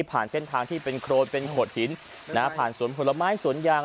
ผ่านเส้นทางที่เป็นโครนเป็นโขดหินนะฮะผ่านสวนผลไม้สวนยาง